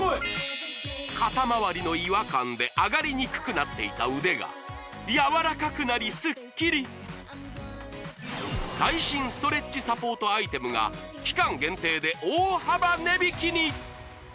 肩まわりの違和感であがりにくくなっていた腕がやわらかくなりスッキリ最新ストレッチサポートアイテムが期間限定で大幅値引きに！